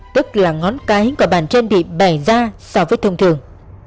tức là ngón cái của bàn trên bị bẻ ra so với thông thường